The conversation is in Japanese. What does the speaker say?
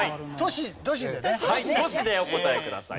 都市でお答えください。